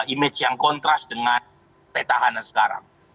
image yang contrast dengan peta hana sekarang